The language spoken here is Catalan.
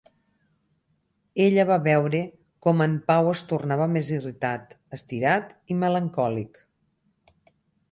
Ella va veure com en Pau es tornava més irritat, estirat i melancòlic.